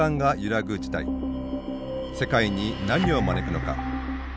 世界に何を招くのか。